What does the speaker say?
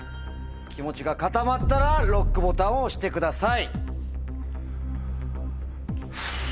気持ちが固まったらＬＯＣＫボタンを押してください。